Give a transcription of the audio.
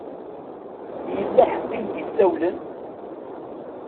Yella ḥedd i m-d-isawlen?